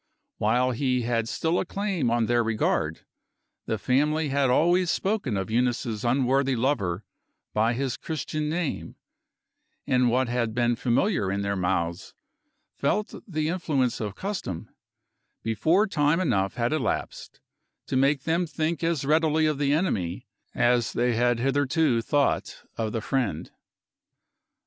While he had still a claim on their regard the family had always spoken of Eunice's unworthy lover by his Christian name; and what had been familiar in their mouths felt the influence of custom, before time enough had elapsed to make them think as readily of the enemy as they had hitherto thought of the friend.